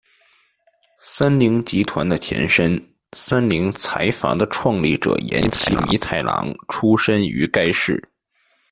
三菱集团的前身三菱财阀的创立者岩崎弥太郎出身于该市。